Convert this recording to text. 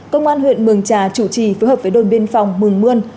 công an huyện mường trà chủ trì phối hợp với đồn biên phòng mường mươn